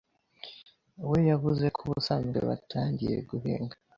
we yavuze ko ubusanzwe batangiye guhinga